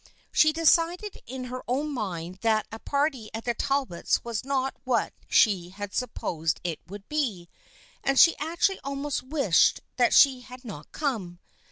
She decided in her own mind that a party at the Talbots' was not what she had supposed it would be, and she actually almost wished that she had not come.